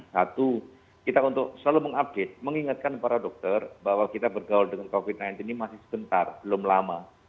satu kita untuk selalu mengupdate mengingatkan para dokter bahwa kita bergaul dengan covid sembilan belas ini masih sebentar belum lama